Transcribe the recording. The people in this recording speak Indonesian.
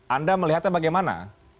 anda melihatnya bagaimana